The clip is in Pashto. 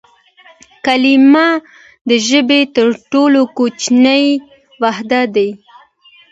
کلیمه د ژبي تر ټولو کوچنی واحد دئ.